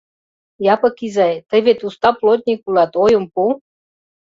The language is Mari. — Япык изай, тый вет уста плотник улат, ойым пу.